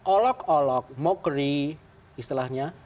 olok olok mockery istilahnya